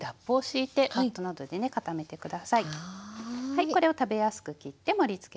これを食べやすく切って盛りつけます。